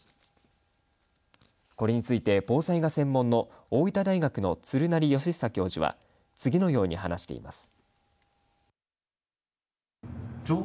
これについて防災が専門の大分大学の鶴成悦久教授は次のように話しています。